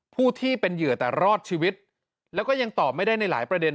ผู้ที่เป็นเหยื่อแต่รอดชีวิตแล้วก็ยังตอบไม่ได้ในหลายประเด็น